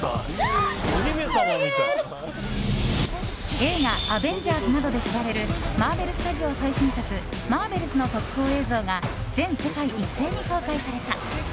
映画「アベンジャーズ」などで知られるマーベル・スタジオ最新作「マーベルズ」の特報映像が全世界一斉に公開された。